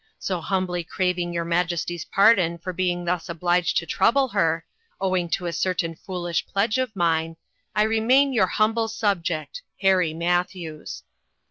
So humbly craving your majesty's pardon for being thus obliged to trouble her owing to a certain foolish pledge of mine I remain your humble subject. " HARRY MATTHEWS."